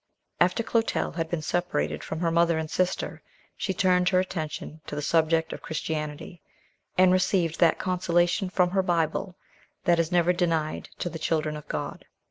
After Clotel had been separated from her mother and sister, she turned her attention to the subject of Christianity, and received that consolation from her Bible that is never denied to the children of God.